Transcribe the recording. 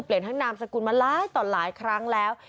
ทั้งนามสกุลมาหลายต่อหลายครั้งแล้ว